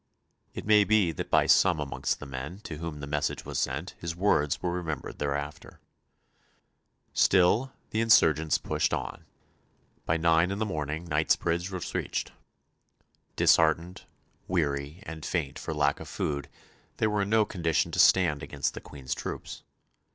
It may be that by some amongst the men to whom the message was sent his words were remembered thereafter. Still the insurgents pushed on. By nine in the morning Knightsbridge was reached. Disheartened, weary, and faint for lack of food, they were in no condition to stand against the Queen's troops.